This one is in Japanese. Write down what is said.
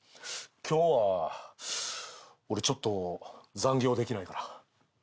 今日は俺ちょっと残業できないから帰るわ。